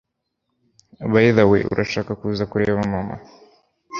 by the way, urashaka kuza kureba mama